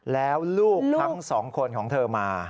แล้วลูกทั้งสองคนของเธอมา